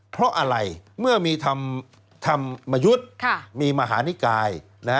เพราะอะไรเมื่อมีธรรมยุทธ์มีมหานิกาย